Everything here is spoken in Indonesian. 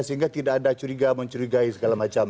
sehingga tidak ada curiga mencurigai segala macam